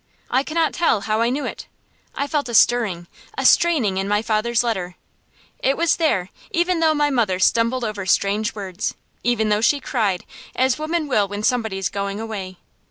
I cannot tell how I knew it. I felt a stirring, a straining in my father's letter. It was there, even though my mother stumbled over strange words, even though she cried, as women will when somebody is going away.